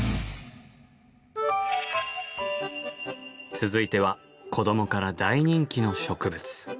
続いては子どもから大人気の植物。